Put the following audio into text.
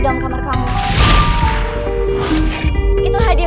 terima kasih ya